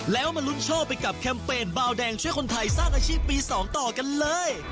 แล้วมาลุ้นโชคไปกับแคมเปญบาวแดงช่วยคนไทยสร้างอาชีพปี๒ต่อกันเลย